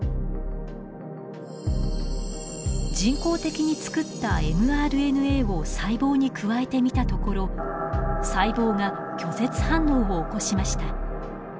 人工的に作ったｍＲＮＡを細胞に加えてみたところ細胞が拒絶反応を起こしました。